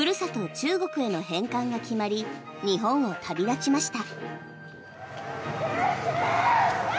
中国への返還が決まり日本を旅立ちました。